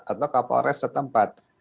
atau kapal res setempat